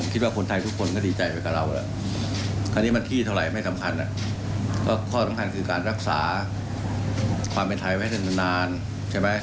ความเป็นไทยไว้นานใช่ไหม